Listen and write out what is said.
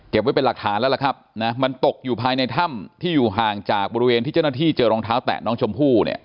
ไว้เป็นหลักฐานแล้วล่ะครับมันตกอยู่ภายในถ้ำที่อยู่ห่างจากบริเวณที่เจ้าหน้าที่เจอรองเท้าแตะน้องชมพู่เนี่ย